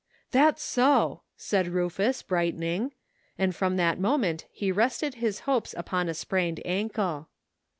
"That's so," said Rufus, brightening, and from that moment he rested his hopes upon a sprained ankle.